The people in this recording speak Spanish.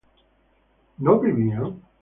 ¿no vivían?